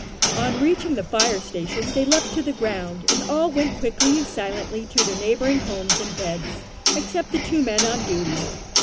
On reaching the fire station they leaped to the ground, and all went quickly and silently to their neighbouring homes and beds, except the two men on duty.